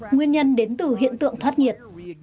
nguyên nhân đến từ hiện tượng thoát nhiệt